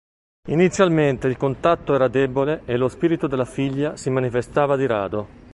Inizialmente il contatto era debole e lo spirito della figlia si manifestava di rado.